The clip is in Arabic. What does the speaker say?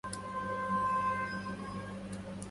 قَدِّمُوا كُلًّا لِيَكُونَ لَكُمْ